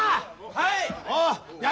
はい！